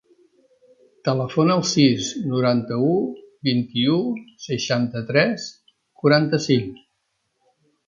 Telefona al sis, noranta-u, vint-i-u, seixanta-tres, quaranta-cinc.